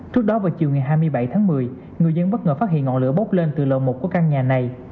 trước đó vào chiều ngày hai mươi bảy tháng một mươi người dân bất ngờ phát hiện ngọn lửa bốc lên từ lộ một của căn nhà này